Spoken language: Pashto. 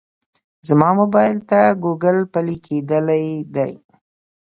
زما موبایل ته ګوګل پلی لګېدلی دی.